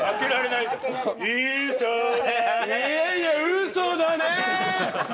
いやいやうそだね！